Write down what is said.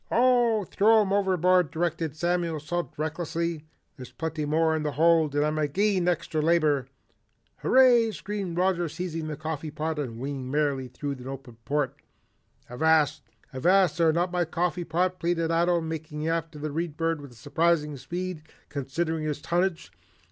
"Oh, throw 'em overboard," directed Samuel Salt recklessly. "There's plenty more in the hold and I'm agin all extry labor." "Hurray!" screamed Roger seizing the coffee pot and winging merrily through an open port. "Avast! Avast there! Not my coffee pot!" pleaded Ato, making after the Read Bird with surprising speed considering his tonnage.